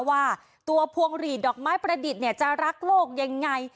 ว่าตัวพวงหลีดดอกไม้ประดิษฐ์จะรักโลกยังไง